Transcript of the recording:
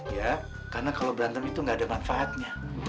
ya karena kalau berantem itu nggak ada manfaatnya